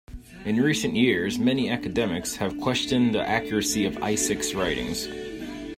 In recent years many academics have questioned the accuracy of Isaac's writings.